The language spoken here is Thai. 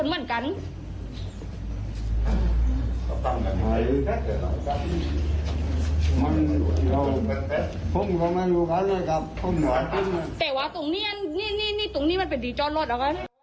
แตกว่าตรงนี้แต่นี้มันเป็นที่ยอกรถเหรอวะ